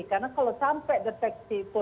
karena kalau sampai deteksi itu